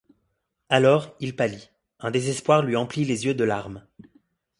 Alors, il pâlit, un désespoir lui emplit les yeux de larmes.